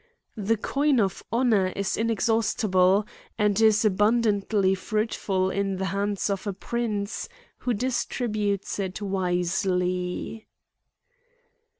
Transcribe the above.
The coin of ho nour is inexhaustible, and is abundantly fruitful in the hands of a prince who distributes it wisely.